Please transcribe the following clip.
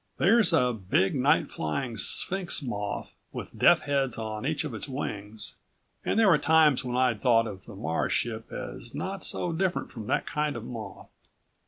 There's a big, night flying Sphinx moth with death heads on each of its wings, and there were times when I'd thought of the Mars ship as not so different from that kind of moth.